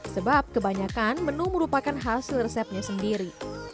sebab kebanyakan menu merupakan hasil resepnya sendiri